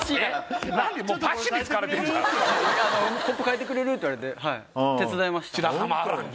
「コップ代えてくれる？」って言われて白濱亜嵐に？